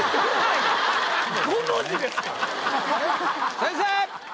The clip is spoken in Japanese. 先生！